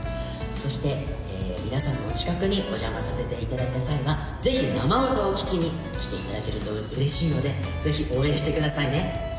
そして皆さんのお近くにお邪魔させていただいた際はぜひ生歌を聴きに来ていただけると嬉しいのでぜひ応援してくださいね